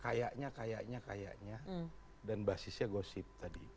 kayaknya kayaknya dan basisnya gosip tadi